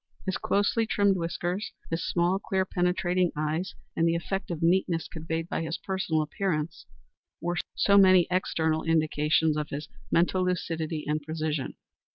His closely trimmed whiskers, his small, clear, penetrating eyes, and the effect of neatness conveyed by his personal appearance were so many external indications of his mental lucidity and precision.